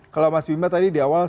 kalau mas bima tadi di awal